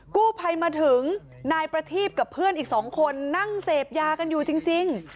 กู้ภัยมาถึงนายประทีบกับเพื่อนอีกสองคนนั่งเสพยากันอยู่จริง